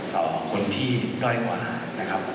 ต่อคนที่ด้อยกว่านะครับ